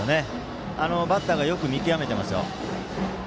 バッターがよく見極めてますよ。